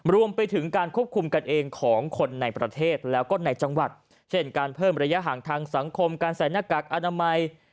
รวมไปถึงการควบคุมกันเองของคนในประเทศแล้วก็ในจังหวัดเช่นการเพิ่มระยะห่างทางสังคมการใส่หน้ากากอนามัย